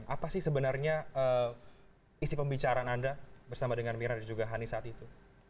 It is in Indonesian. apa sih sebenarnya isi pembicaraan anda bersama dengan mirna dan juga hani saat itu